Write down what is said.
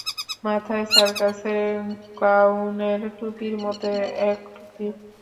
মাথায় সার্কাসের ক্লাউনের টুপির মতো এক টুপি।